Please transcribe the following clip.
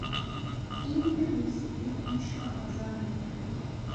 این گونه موسیقی گوش را آزار میدهد.